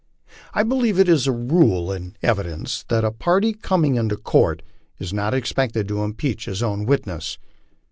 I believe it is a rule in evidence that a party coming into court is not expected to impeach his own witnesses.